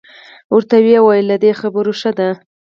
ورته یې وویل له دې خبرو ښه ده.